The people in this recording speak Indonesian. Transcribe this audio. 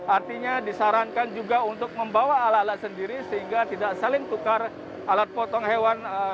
artinya disarankan juga untuk membawa alat alat sendiri sehingga tidak saling tukar alat potong hewan